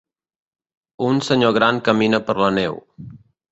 Un senyor gran camina per la neu.